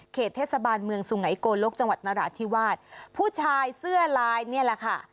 เทศบาลเมืองสุไงโกลกจังหวัดนราธิวาสผู้ชายเสื้อลายนี่แหละค่ะ